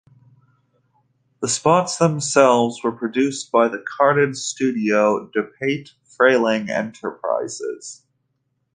The spots themselves were produced by the cartoon studio DePatie-Freleng Enterprises.